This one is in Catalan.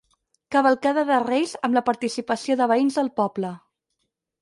Cavalcada de reis amb la participació de veïns del poble.